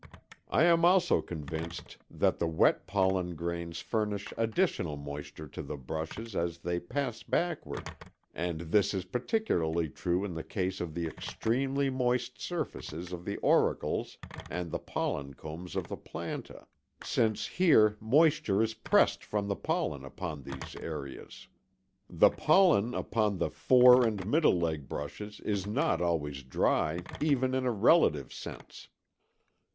I am also convinced that the wet pollen grains furnish additional moisture to the brushes as they pass backward, and this is particularly true in the case of the extremely moist surfaces of the auricles and the pollen combs of the planta, since here moisture is pressed from the pollen upon these areas. The pollen upon the fore and middle leg brushes is not always "dry" even in "a relative sense."